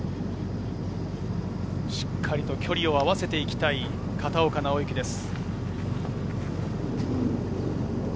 しっかりと距離を合わせていきたい片岡尚之です。